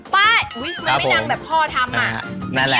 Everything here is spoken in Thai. ป๊ายอุ๊ยมันไม่ดังแบบพ่อทำอ่ะ